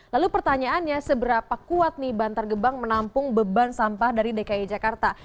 lalu pertanyaannya seberapa kuat nih bantar gebang menampung beban sampah dari dki jakarta